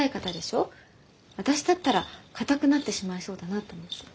私だったら硬くなってしまいそうだなと思って。